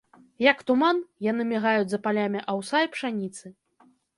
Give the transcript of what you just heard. Як туман, яны мігаюць за палямі аўса і пшаніцы.